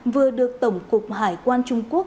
vừa được tổng cục hải quan trung quốc